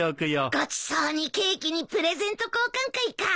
ごちそうにケーキにプレゼント交換会か。